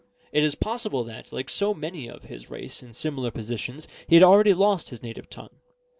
It is possible that, like so many of his race in similar positions, he had already lost his native tongue.